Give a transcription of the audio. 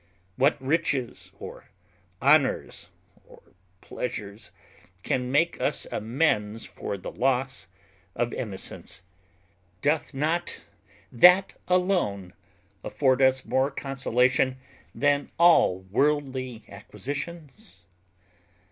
What riches, or honours, or pleasures, can make us amends for the loss of innocence? Doth not that alone afford us more consolation than all worldly acquisitions?